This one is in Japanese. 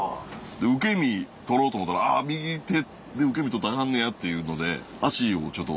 受け身とろうと思ったら右手で受け身とったらアカンねやっていうので足をちょっと。